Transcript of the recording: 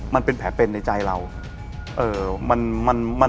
มันเป็นแผลเป็นในใจเรา